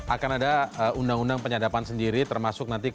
akan ada undang undang penyadapan sendiri termasuk nanti